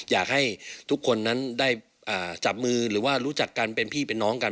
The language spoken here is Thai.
อยากให้ทุกคนนั้นได้จับมือหรือว่ารู้จักกันเป็นพี่เป็นน้องกัน